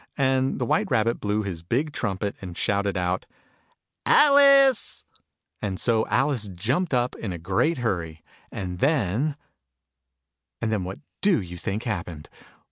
And the White Rabbit blew his big trumpet, and shouted out " Alice !" And so Alice jumped up in a great hurry. And then And then what do you think happened